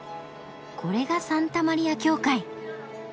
これがサンタマリア教会。